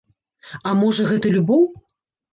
А можа, гэта любоў?